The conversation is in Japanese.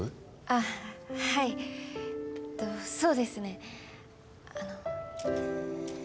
あっはいそうですね